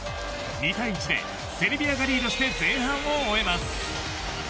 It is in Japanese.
２対１でセルビアがリードして前半を終えます。